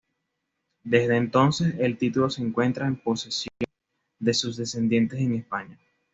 Desde entonces, el título se encuentra en posesión de sus descendientes en España.